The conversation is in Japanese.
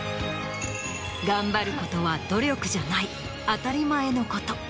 頑張ることは努力じゃない当たり前のこと。